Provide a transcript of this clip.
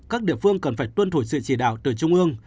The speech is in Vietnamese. các địa phương cần phải tuân thủ sự chỉ đạo từ trung ương